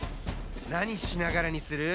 なにしながらにする？